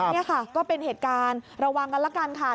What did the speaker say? นี่ค่ะก็เป็นเหตุการณ์ระวังกันละกันค่ะ